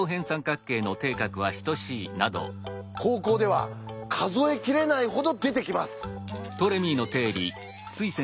高校では数え切れないほど出てきます。